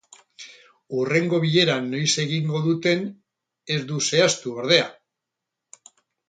Hurrengo bilera noiz egingo duten ez du zehaztu, ordea.